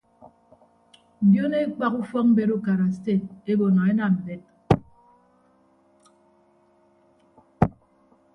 Ndion ekpak ufọkmbet ukara sted ebo nọ enam mbet.